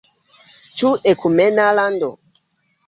Ĉu ekumena lando?